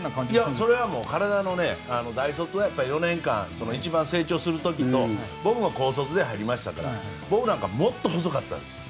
それは大卒の一番成長する時の僕は高卒で入りましたから僕なんかもっと細かったです。